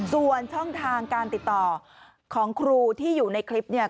ส่วนช่องทางการติดต่อของครูที่อยู่ในคลิปเนี่ย